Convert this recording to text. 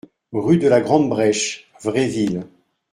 Rue de la Grande Breche, Vraiville